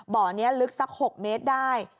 บ่อนี้ลึกสัก๖เมตรได้